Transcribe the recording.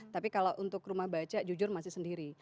tapi kalau untuk rumah baca jujur masih sendiri